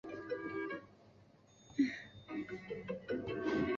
汉登贝格是奥地利上奥地利州因河畔布劳瑙县的一个市镇。